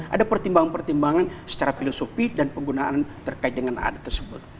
ada pertimbangan pertimbangan secara filosofi dan penggunaan terkait dengan adat tersebut